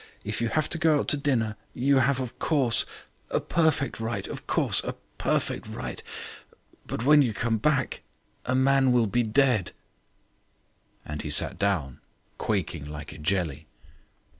"If you have to go out to dinner, you have of course a perfect right of course a perfect right. But when you come back a man will be dead." And he sat down, quaking like a jelly.